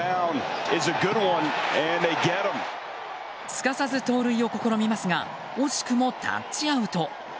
すかさず盗塁を試みますが惜しくもタッチアウト。